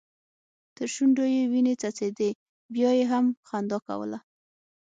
تر شونډو يې وينې څڅيدې بيا يې هم خندا کوله.